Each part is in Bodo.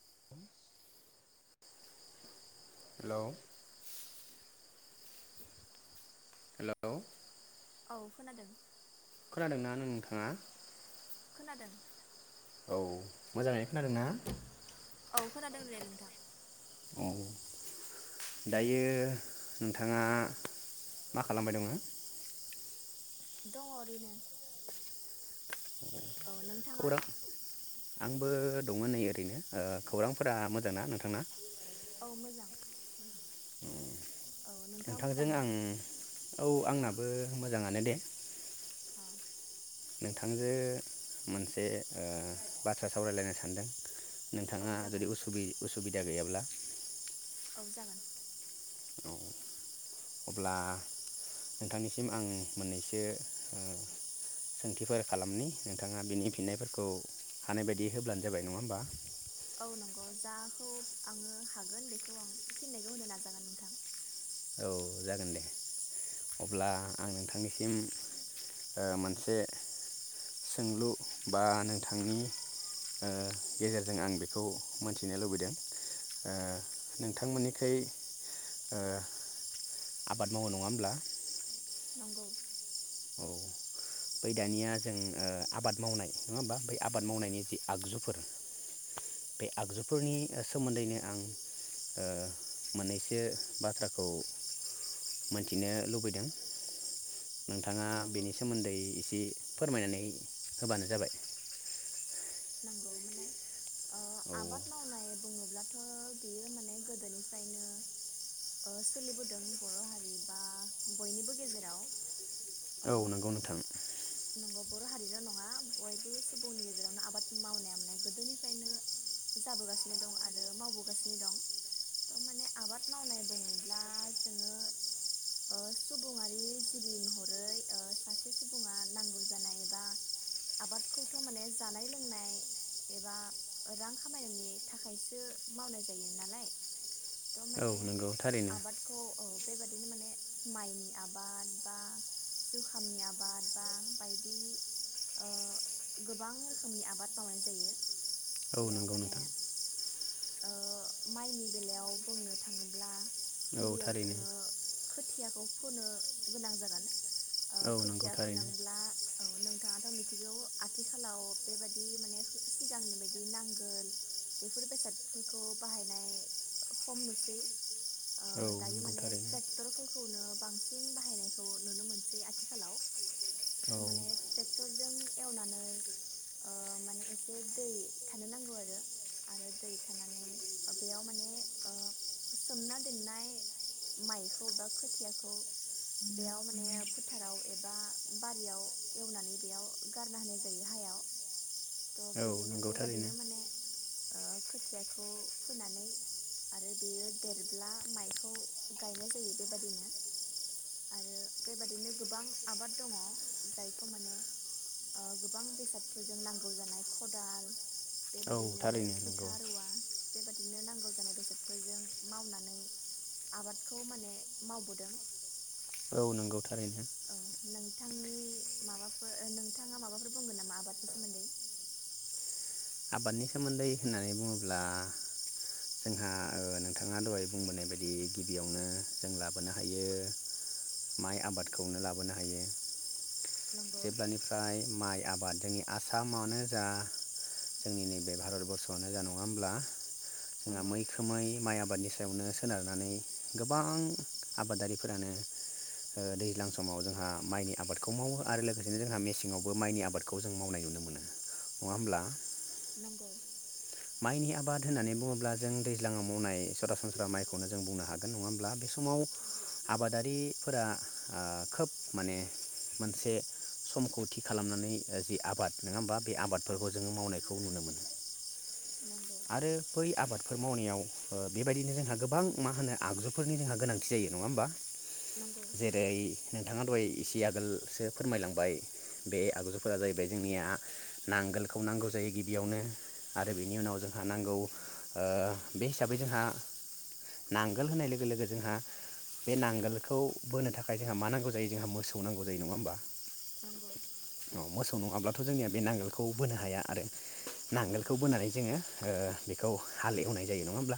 [inaudible] हेल' हेल' औ खोनादों खोनादोंना नोंथाङा खोनादों औ मोजाङै खोनादों ना? औ खोनादों दे नोंथां औ दायो नोंथाङा मा खालामबाय दङो? दङ ओरैनो औ नोंथाङा खौरां आंबो दङ नै ओरैनो खौरांफोरा मोजां ना नोंथांना? औ मोजां उम औ नोंथाङा मोजां नोंथांजों ना आं औ आंनाबो मोजाङानो दे। औ नोंथांजो मोनसे ओ बाथ्रा सावरायलायनो सानदों। औ नोंथाङा जागोन जुदि उसुबि उसुबि सुबिदा गैयाब्ला औ जागोन औ अब्ला नोंथांनिसिम आं मोननैसो ओ सोंथिफोर खालामनि नोंथाङा बिनि फिन्नायफोरखौ हानाय बायदि होब्लानो जाबाय नङा होमबा औ नंगौ जाखौ आङो हागोन बेखौ आं फिननायखौ होनो नाजागोन नोंथां। औ जागोन दे अब्ला आं नोंथांनिसिम ओ मोनसे सोंलु बा नोंथांनि ओ गेजेरजों आं बेखौ मोनथिनो लुबैदों ओ नोंथांमोननिखोय ओ आबाद मावो नङा होमब्ला? नंगौ औ बै दानिया जों ओ आबाद मावनाय नङा होमबा बै आबाद मावनायनि जि आगजुफोर बे आगजुफोरनि सोमोन्दैनो आं ओ मोननैसो बाथ्राखौ मोनथिनो लुबैदों। नोंथाङा नंगौ बेनि सोमोन्दै एसे फोरमायनानै होबानो जाबाय। नंगौ माने ओ औ आबाद मावनाय बुङोब्ला थ' बियो माने गोदोनिफ्रायनो ओ सोलिबोदों बर' हारि बा बयनिबो गेजेराव औ ओ नंगौ नोंथां नंगौ बर' हारिल' नङा बयबो सुबुंनि गेजेरावनो आबाद मावनाया माने गोदोनिफ्रायनो जाबोगासिनो दं आरो मावबोगासिनो दं थ' माने आबाद मावनाय बुङोब्ला जोङो ओ सुबुङारि जिबि महरै सासे सुबुङा नांगौ जानाय एबा आबादखौथ' माने जानाय लों खुंनाय एबा रां खामायनायनि थाखायसो मावनाय जायो नालाय। थ' औ माने नंगौ थारैनो आबादखौ ओ बेबादिनो माने माइनि आबाद बा जुखामनि आबाद बा बायदि ओ गोबां रोखोम रोखोमनि आबाद मावनाय जायो औ बेयाव नंगौ माने नोंथां ओ माइनि बेलायाव बुंनो थाङोब्ला। औ गिबियाव थारैनो जोङो खो खुथियाखौ फुनो गोनां जागोन ओ औ नंगौ खोथिया थारैनो फोनांब्ला औ नों नोंथाङाथ' मिथिगौ आथिखालाव बेबायदि माने सिगांनि बायदि नांगोल बेफोर बेसादफोरखौ बाहायनाय खम नुसै ओ औ दायो नंगौ माने थारैनो ट्रेक्टरफोरखौनो बांसिन बाहायनायखौ नुनो मोनसै आथिखालाव औ थारमाने ट्रेक्टरजों एवनानै ओ माने एसे दै थानो नांगौ आरो आरो दै थानानै बेयाव माने ओ सोमना दोननाय माइखौ एबा खोथियाखौ बेयाव माने फोथाराव एबा बारियाव एवनानै बेयाव गारना होनाय जायो हायाव द' औ बेरैनो नंगौ थारैनो बेबादिनो माने ओ खोथियाखौ फोनानै आरो बेयो देरब्ला माइखौ गायनाय जायो बेबादिनो आरो बेबादिनो गोबां आबाद दङ जायखौ माने ओ गोबां बेसाद फोरजों नांगौ जानाय खदाल औ बेबादिनो थारैनो नंगौ सिखा रुवा बेबादिनो नांगौ जानाय बेसादफोरजों मावनानै आबादखौ माने मावबोदों औ नोंगौ थारैनो औ नोंथांनि माबाफोर नोंथाङा माबाफोर बुंगोन नामा आबाद नि सोमोन्दै आबादनि सोमोन्दै होननानै बुङोब्ला जोंहा ओ नोंथाङा दहाय बुंबोनाय बायदि गिबियावनो जों लाबोनो हायो माइ आबादखौनो लाबोनो हायो नंगौ जेब्लानिफ्राय माइ आबाद जोंनि आसामावनो जा जोंनि नैबे भारत बरर्स'आवनो जानाय नङा होमब्ला जोंहा नंगौ मैखोमै माइ आबादनि सायावनो सोनारनानै गोबां आबादारिफोरानो ओ दैज्लां समाव जोंहा माइनि आबादखौ मावो आरो लोगोसेनो जोंहा मेसेंआवबो माइनि आबादखौ जों मावनाय नुनो मोनो नङा होमब्ला नंगौ माइनि आबाद होननानै बुङोब्ला जों दैज्लाङाव मावनाय सरासनस्रा माइखौनो जों बुंनो हागोन नङा होमब्ला बे समाव आबादारिफोरा ओ खोब माने मोनसे समखौ थि खालामनानै जि आबाद नङा होमबा बे आबादफोरखौ जोङो मावनायखौ नुनो मोनो नंगौ आरो बै आबादफोर मावनायाव ओ बेबायदिनो जोंहा गोबां मा होनो आगजुफोरनि जोंहा गोनांथि जायो नङा होमबा नंगौ जेरै नोंथाङा दहाय इसे आगोलसो फोरमायलांबाय बे आगजुफोरा जाहैबाय जोंनिया नांगोलखौ नांगौ जायो गिबियावनो आरो बेनि उनाव जोंहा नांगौ ओ बे हिसाबै जोंहा नांगोल होनाय लोगो लोगो जोंहा बे नांगोलखौ बोनो थाखाय जोंहा मा नांगौ जायो जोंहा मोसौ नांगौ जायो नङा होमबा नंगौ अ मोसौ नङाब्ला थ' जोंनिया बे नांगोलखौ बोनो हाया आरो नांगोल नंगौ खौ बोनानै जोङो ओ खौ हाल एवनाय जायो नङा होमब्ला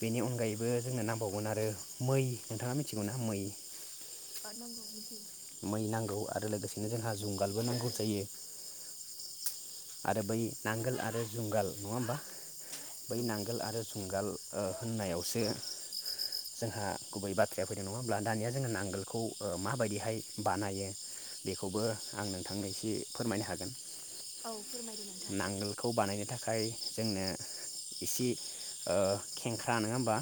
बेनि अनगायैबो जोंनो नांबावगोन आरो मै नोंथाङा मिथिगौ ना मै ओ नोंगौ मिथियो मै नांगौ आरो लोगोसेनो जोंहा जुंगालबो नांगौ जायो आरो बै नांगोल आरो जुंगाल नङा होमबा बै नंगौ नांगोल आरो जुंगाल ओ होननायावसो जोंहा गुबै बाथ्राया फैदों नङा होमब्ला दानिया जोंङो नांगोलखौ ओ माबायदिहाय बानायो बेखौबो आं नोंथांनिसि फोरमायनो हागोन औ फोरमायदो नोंथां नांगोलखौ बानायनो थाखाय जोंनो इसे ओ खेंख्रा नोङा होमबा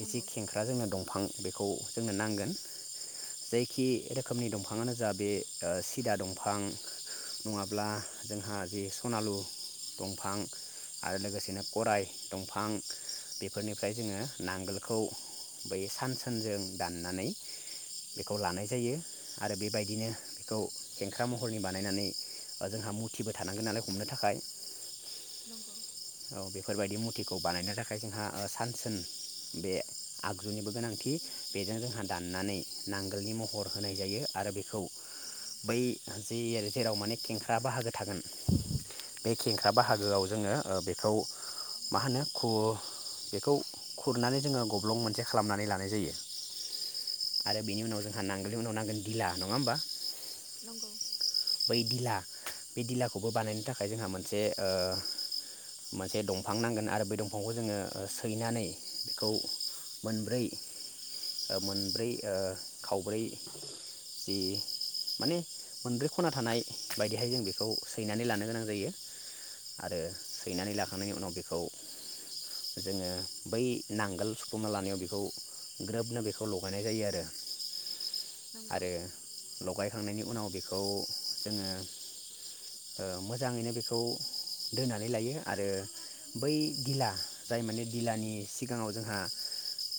एसे नंगौ खेंख्रा जोंनो दंफां बेखौ जोंनो नांगोन जायखि रोखोमनि दंफाङानो जा बे ओ सिदा दंफां नङाब्ला जोंहा जि सनालु दंफां आरो लोगोसेनो गराय दंफां बेफोरनिफ्राय जोङो नांगोलखौ बै सानसोनजों दाननानै बेखौ लानाय जायो आरो बेबायदिनो बेखौ खेंख्रा महरनि बानायनानै जोंहा मु थिबो थानांगोन नालाय हमनो थाखाय [unintelligible] औ बेफोरबायदि मुथिखौ बानायनो थाखाय जोंहा सानसोन बे आगजुनिबो गोनांथि बेजों जोंहा दाननानै नांगोलनि महर होनाय जायो आरो बेखौ बै जे जेराव माने खेंख्रा बाहागो थागोन बे खेंख्रा नंगौ बाहागोआव जोङो ओ बेखौ मा होनो खु बेखौ खुरनानै जोङो गब्लं मोनसे खालामनानै लानाय जायो आरो बेनि उनाव जोंहा नांगोलनि उनाव नांगोन धिला नङा होमबा नंगौ बै दिला बे दिलाखौबो बानायनो थाखाय जोंहा मोनसे ओ मोनसे दंफां नांगोन आरो बै दंफांखौ जोङो सैनानै बेखौ मोनब्रै ओ मोनब्रै ओ खावब्रै जि माने मोनब्रै खना थानाय बायदिहाय जों बेखौ सैनानै लानो गोनां जायो आरो सैनानै लाखांनायनि उनाव बेखौ जोङो बै नांगोल सुखुमा लानायाव बेखौ ग्रोबनो बेखौ लगायनाय जायो आरो नंगौ आरो लगाय थांनायनि उनाव बेखौ खौ जोङो ओ मोजाङैनो बेखौ दोननानै लायो आरो बै दिला जाय माने दिलानि सिगाङाव जोंहा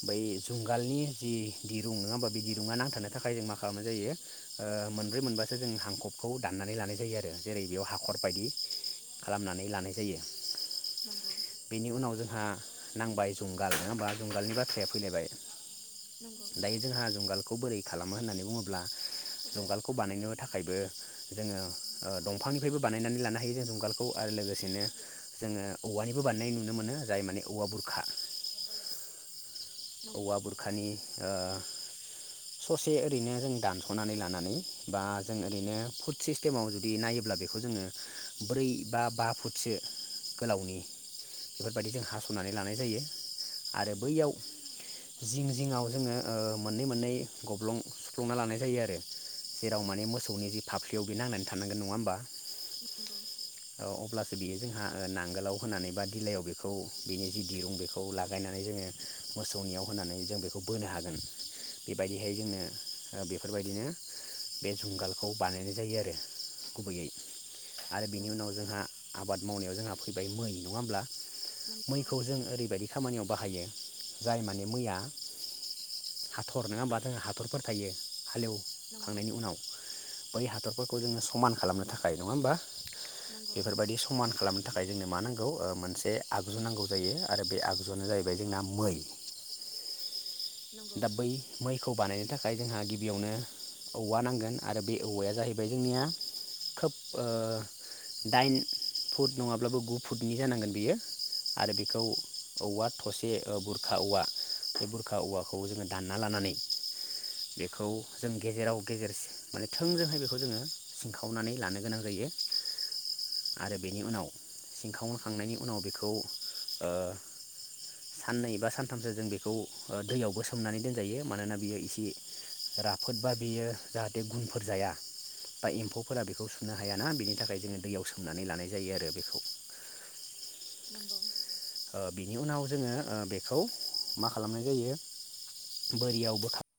बै जुंगालनि जि दिरुं नङा होमबा बे दिरुंङा नांथानो थाखाय जों मा खालामनाय जायो ओ मोनब्रै मोनबा सो जों हांखबखौ दाननानै लानाय जायो आरो जेरै बेयाव हाखर बायदि खालामनानै लानाय जायो नंगौ बेनि उनाव जोंहा नांबाय जुंगाल नङा होमबा जुंगालनि बाथ्राया फैलायबाय नंगौ दायो जोंहा जुंगालखौ बोरै खालामो होननानै बुङोब्ला जुंगालखौ बानायनो थाखायबो जोङो ओ दंफांनिफ्रायबो बानायनानै लानो हायो जों जुंगालखौ आरो लोगोसेनो जोङो औवानिबो बानायनाय नुनो मोनो जाय माने औवा बुरखा नंगौ औवा बुरखानि ओ ससे ओरैनो जों दानस'नानै लानानै बा जों ओरैनो फुट सिस्टेमाव जुदि नायोब्ला बेखौ जोङो ब्रै बा बा फुटसो गोलावनि बेफोरबायदि जों हास'नानै लानाय जायो आरो बैयाव जिं जिङाव जोङो मोननै मोननै गब्लं सुफ्लंना लानाय जायो आरो जेराव माने मोसौनि जि फाफ्लियाव बे नांनानै थानांगोन नङा होमबा नंगौ औ अब्लासो बियो जों ना ओ नांगोलाव होनानै बा दिलायाव बेखौ बिनि जि दिरुं बेखौ लागायनानै जोङो मोसौनियाव होनानै जों बेखौ बोनो हागोन बेबायदिहाय जोंनो ओ बेफोरबायदिनो बे जुंगालखौ बानायनाय जायो आरो गुबैयै आरो बिनि नंगौ उनाव जोंहा आबाद मावनायाव जोंहा फैबाय मै नङा होमब्ला नंगौ मैखौ जों ओरैबायदि खामानियाव बाहायो जाय माने मैया हाथर नङा होमबा जोंहा हाथरफोर थायो हालेवखांनायनि उनाव बै हाथर बेफोरखौ जोङो समान खालामनो थाखाय नङा होमबा बेफोरबायदि समान खालामनो थाखाय जोंनो मा नां गौ मोनसे आगजु नांगौ जायो आरो बे आगजुआनो जायैबाय जोंना मै नंगौ नंगौ दा बै मैखौ बानायनो थाखाय थाखाय जोंहा गिबियावनो औवा नांगोन आरो बे औवाया जाहैबाय जोंनिया खोब दाइन फुट नङाब्लाबो गु फुटनि जानांगोन बेयो आरो बेखौ औवा थसे बुरखा औवा बे बुरखा औवाखौ। खौ जोङो दानना लानानै बेखौ जों गेजेराव गेजेर माने थोंजोंहाय बेखौ जोङो सिनखावनानै लानो गोनां जायो आरो बेनि उनाव सिनखावखांनायनि उनाव बेखौ ओ साननै बा सानथामसो जों बेखौ दैयावबो सोमनानै दोनजायो मानोना बियो एसे राफोद बा बेयो जाहाथे गुनफोर जाया बा एम्फौफोरा बेखौ सुनो हायाना बेनि थाखाय जोङो दैयाव सोमनानै लानाय जायो आरो बेखौ। नंगौ। ओ बिनि उनाव जोङो बेखौ मा खालामनाय जायो बोरियाव बोखार